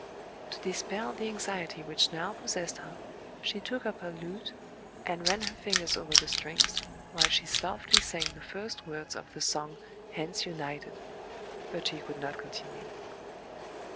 " To dispel the anxiety which now possessed her, she took up her lute, and ran her fingers over the strings, while she softly sang the first words of the song, "Hands United;" but she could not con tinue.